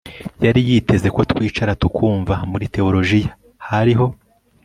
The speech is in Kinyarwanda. yari yiteze ko twicara tukumva. muri tewolojiya, hariho